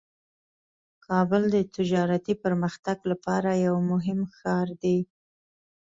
کابل د تجارتي پرمختګ لپاره یو مهم ښار دی.